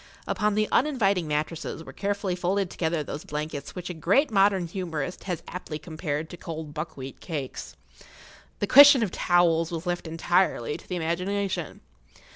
Upon the uninviting mattresses[Pg 14] were carefully folded together those blankets which a great modern humorist has aptly compared to cold buckwheat cakes. The question of towels was left entirely to the imagination.